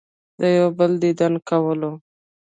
د يو بل ديدن کولو